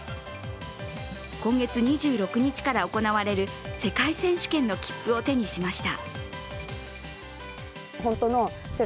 今月２６日から行われる世界選手権の切符を手にしました。